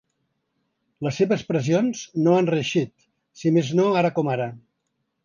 Les seves pressions no han reeixit, si més no ara com ara.